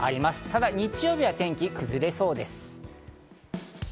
ただ日曜日は天気が崩れそうです。